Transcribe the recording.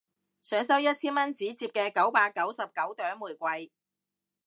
想收一千蚊紙摺嘅九百九十九朵玫瑰